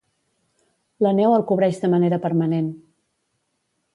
La neu el cobreix de manera permanent.